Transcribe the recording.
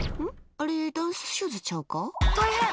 あれダンスシューズちゃうか？